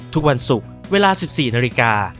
ทุกวันศุกร์เวลา๑๔นาฬิกา